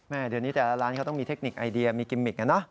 เดี๋ยวนี้แต่ละร้านเขาต้องมีเทคนิคไอเดียมีกิมมิกนะ